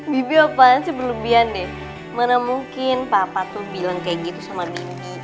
bibi apaan sih berlebihan deh mana mungkin papa tuh bilang kayak gitu sama bibi